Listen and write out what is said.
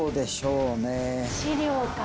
資料か。